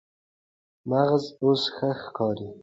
مغز اوس ښه ښکاري.